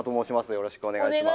よろしくお願いします。